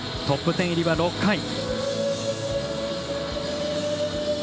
トップ１０入りは６回。